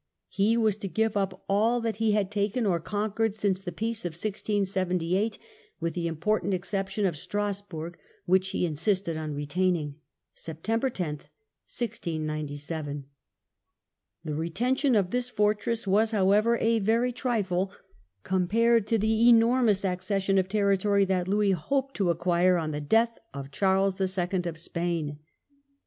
He was to give up all that he had taken or conquered since the peace of 1678, with the important exception of Stras bourg, which he insisted on retaining. (Sept. 10, 1697.). The retention of this fortress was, however, a very trifle compared to the enormous accession of territory that Spanish Louis hoped to acquire on the death of Succession Charles II. of Spain.